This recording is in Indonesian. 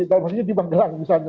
dalam artinya di bang delang misalnya